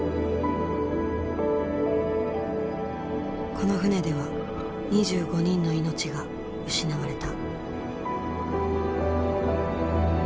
この船では２５人の命が失われた。